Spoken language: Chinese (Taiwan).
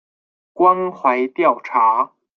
關懷調查